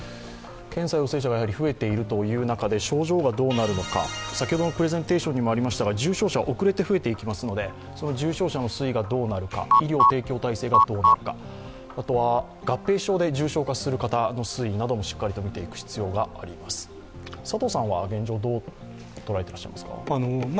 検査陽性者が増えている中で症状がどうなるのか、先ほどのプレゼンテーションにもありましたけれども重症者は遅れて増えていきますので、重症者の推移がどうなるのか、医療提供体制がどうなるかあとは合併症で重症化する方の推移などもしっかりと見ていく必要があると思います。